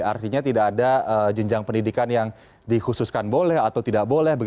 artinya tidak ada jenjang pendidikan yang dikhususkan boleh atau tidak boleh